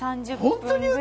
本当に？